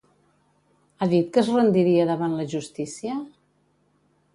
Ha dit que es rendiria davant la justícia?